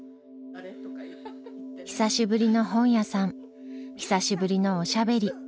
久しぶりの本屋さん久しぶりのおしゃべり。